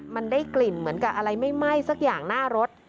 มันได้กลิ่นเหมือนกับอะไรไม่ไหม้สักอย่างหน้ารถ